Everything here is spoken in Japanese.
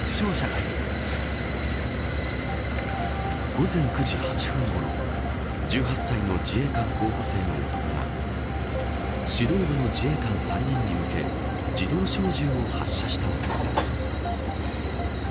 午前９時８分ごろ１８歳の自衛官候補生の男が指導部の自衛官３人に向け自動小銃を発射したのです。